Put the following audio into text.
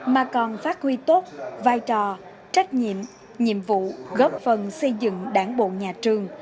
mà còn phát huy tốt vai trò trách nhiệm nhiệm vụ góp phần xây dựng đảng bộ nhà trường